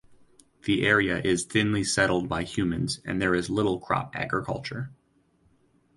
The area is thinly settled by humans and there is little crop agriculture.